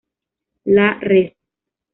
La Res.